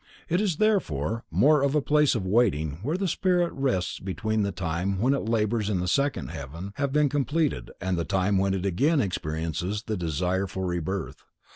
It is therefore more of a place of waiting where the spirit rests between the time when its labors in the second heaven have been completed and the time when it again experiences the desire for rebirth.